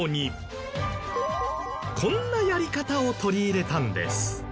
こんなやり方を取り入れたんです。